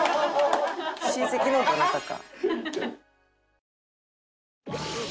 親戚のどなたか。